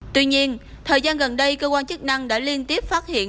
tuy nhiên thời gian gần đây cơ quan chức năng đã liên tiếp phát hiện